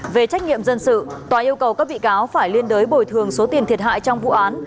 về trách nhiệm dân sự tòa yêu cầu các bị cáo phải liên đối bồi thường số tiền thiệt hại trong vụ án